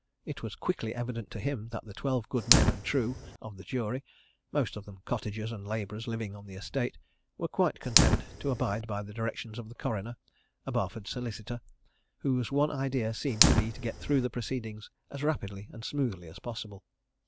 It was quickly evident to him that the twelve good men and true of the jury most of them cottagers and labourers living on the estate were quite content to abide by the directions of the coroner, a Barford solicitor, whose one idea seemed to be to get through the proceedings as rapidly and smoothly as possible.